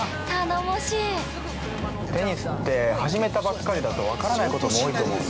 ◆テニスって、始めたばっかりだと分からないことも多いと思うんで。